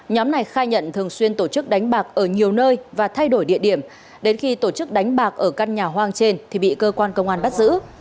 nhóm này khai nhận thường xuyên tổ chức đánh bạc ở nhiều nơi và thay đổi địa điểm đến khi tổ chức đánh bạc ở căn nhà hoang trên thì bị cơ quan công an bắt giữ